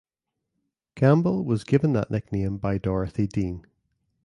Campbell was given that nickname by Dorothy Dean.